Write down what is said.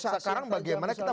sekarang bagaimana kita